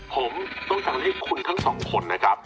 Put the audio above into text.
ผมต้องการให้คุณทั้งสองคนนะครับ